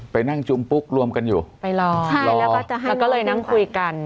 ไปนั่งจุมปุ๊กรวมกันอยู่ไปรอใช่แล้วก็จะให้แล้วก็เลยนั่งคุยกัน